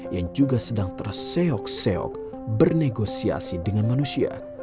yang juga sedang terseok seok bernegosiasi dengan manusia